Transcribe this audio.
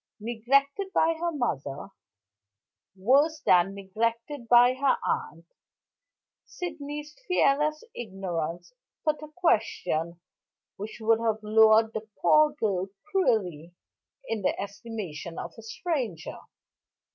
Neglected by her mother, worse than neglected by her aunt, Sydney's fearless ignorance put a question which would have lowered the poor girl cruelly in the estimation of a stranger.